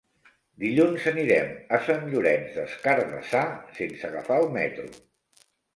Dilluns anirem a Sant Llorenç des Cardassar sense agafar el metro.